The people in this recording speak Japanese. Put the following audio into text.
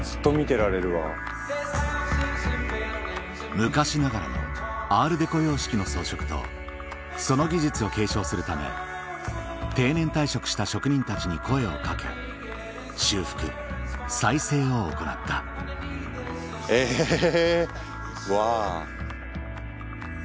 昔ながらのアールデコ様式の装飾とその技術を継承するため定年退職した職人たちに声を掛け修復再生を行ったえわぁ。